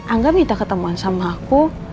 angga minta ketemuan sama aku